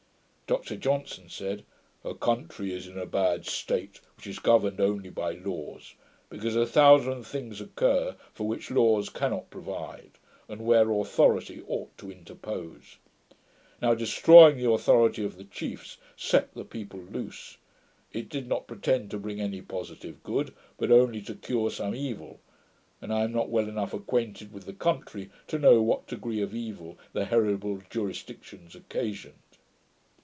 Dr Johnson said, 'A country is in a bad state, which is governed only by laws; because a thousand things occur for which laws cannot provide, and where authority ought to interpose. Now destroying the authority of the chiefs set the people loose. It did not pretend to bring any positive good, but only to cure some evil; and I am not well enough acquainted with the country to know what degree of evil the heritable jurisdictions occasioned.'